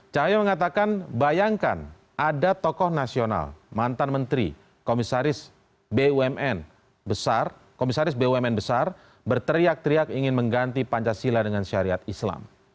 cahaya mengatakan bayangkan ada tokoh nasional mantan menteri komisaris bumn besar berteriak teriak ingin mengganti pancasila dengan syariat islam